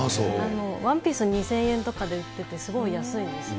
ワンピース２０００円とかで売ってて、すごい安いんですよ。